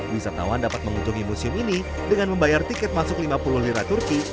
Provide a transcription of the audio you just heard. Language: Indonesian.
wisatawan dapat mengunjungi museum ini dengan membayar tiket masuk lima puluh lira turki